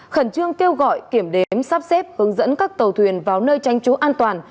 khẩn trương kêu gọi kiểm đếm sắp xếp hướng dẫn các tàu thuyền vào nơi tranh trú an toàn